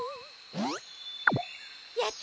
やった！